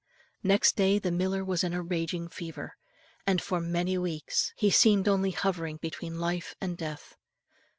Next day the miller was in a raging fever, and for many weeks he seemed only hovering between life and death.